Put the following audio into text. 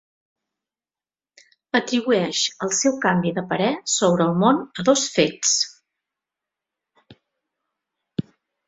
Atribueix el seu canvi de parer sobre el món a dos fets.